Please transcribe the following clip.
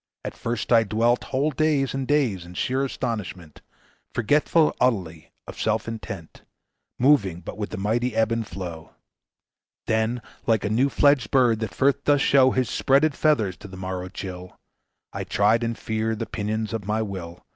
At first I dwelt Whole days and days in sheer astonishment; Forgetful utterly of self intent, Moving but with the mighty ebb and flow. Then like a new fledged bird that first doth show His spreaded feathers to the morrow chill, I tried in fear the pinions of my will.